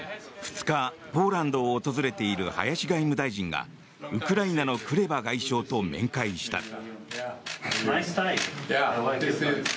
２日、ポーランドを訪れている林外務大臣がウクライナのクレバ外相と面会した。